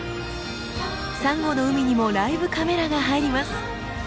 サンゴの海にもライブカメラが入ります。